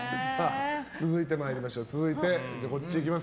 続いて、参りましょう。